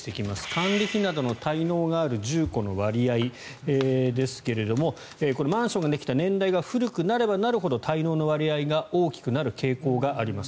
管理費などの滞納がある住戸の割合ですがこれ、マンションができた年代が古くなればなるほど滞納の割合が大きくなる傾向があります。